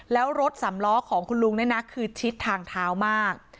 แล้วรถสำล้อของคุณลุงเนี่ยนะคือชิดทางเท้ามาก